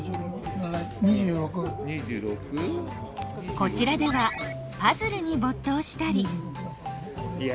こちらではパズルに没頭したり。